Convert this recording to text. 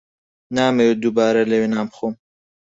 نامەوێت دووبارە لەوێ نان بخۆم.